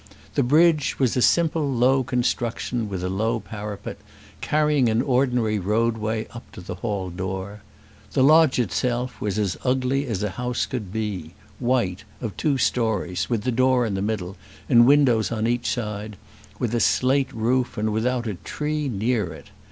The bridge was a simple low construction with a low parapet, carrying an ordinary roadway up to the hall door. The lodge itself was as ugly as a house could be, white, of two stories, with the door in the middle and windows on each side, with a slate roof, and without a tree near it.